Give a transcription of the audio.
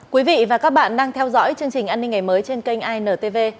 quý vị và các bạn đang theo dõi chương trình an ninh ngày mới trên kênh intv